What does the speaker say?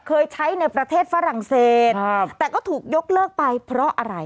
เคยใช้ในประเทศฝรั่งเศสแต่ก็ถูกยกเลิกไปเพราะอะไร